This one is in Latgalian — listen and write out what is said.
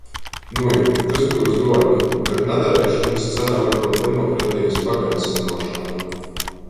Nui, tys byus duorgi, tok nadareišonys cena var byut demokratejis pagaisynuošona.